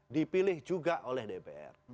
dipilih juga oleh dpr